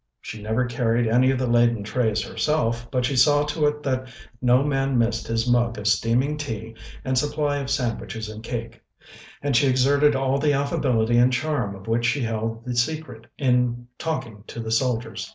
She never carried any of the laden trays herself, but she saw to it that no man missed his mug of steaming tea and supply of sandwiches and cake, and she exerted all the affability and charm of which she held the secret, in talking to the soldiers.